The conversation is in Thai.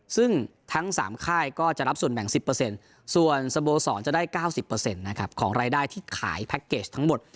ซึ่งทั้ง๓ค่ายก็จะรับส่วนแบ่ง๑๐ส่วนสโมสรจะได้๙๐นะครับของรายได้ที่ขายแพ็คเกจทั้งหมด